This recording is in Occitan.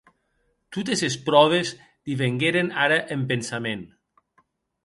Totes es pròves li vengueren ara en pensament.